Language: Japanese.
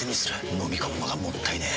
のみ込むのがもったいねえ。